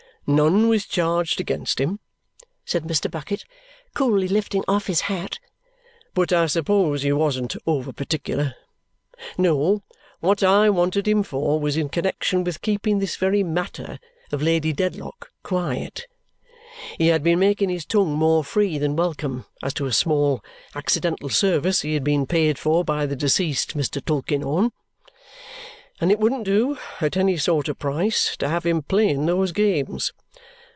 "None was charged against him," said Mr. Bucket, coolly lifting off his hat, "but I suppose he wasn't over particular. No. What I wanted him for was in connexion with keeping this very matter of Lady Dedlock quiet. He had been making his tongue more free than welcome as to a small accidental service he had been paid for by the deceased Mr. Tulkinghorn; and it wouldn't do, at any sort of price, to have him playing those games.